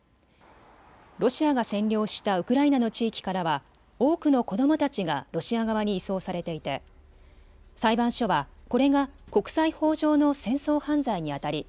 ロシアが占領したウクライナの地域からは多くの子どもたちがロシア側に移送されていて裁判所はこれが国際法上の戦争犯罪にあたり